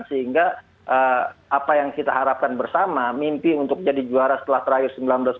sehingga apa yang kita harapkan bersama mimpi untuk jadi juara setelah terakhir seribu sembilan ratus sembilan puluh